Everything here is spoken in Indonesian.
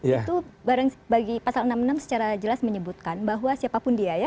itu bagi pasal enam puluh enam secara jelas menyebutkan bahwa siapapun dia ya